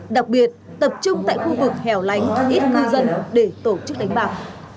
đặc biệt tập trung tại khu vực hẻo lánh ít ngư dân để tổ chức đánh bạc